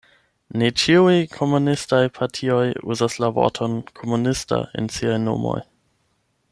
Ne ĉiuj komunistaj partioj uzas la vorton "komunista" en siaj nomoj.